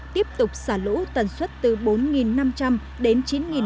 tiếp tục xả lũ tần suất từ bốn năm trăm linh đến chín năm trăm linh